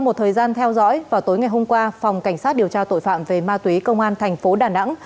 một thời gian theo dõi vào tối ngày hôm qua phòng cảnh sát điều tra tội phạm về ma túy công an thành phố đà nẵng